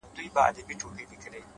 o خوشحال په دې يم چي ذهين نه سمه،